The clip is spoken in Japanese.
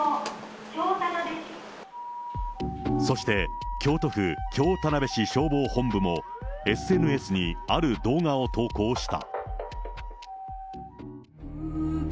そして、京都府京田辺市消防本部も、ＳＮＳにある動画を投稿した。